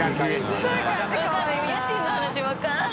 家賃の話分からん。